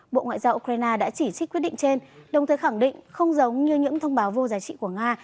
bộ ngoại giao ukraine đã chỉ trích quyết định trên đồng thời khẳng định không giống như những thông báo vô giá trị của nga